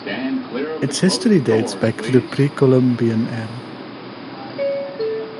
Its history dates back to the pre-Columbian era.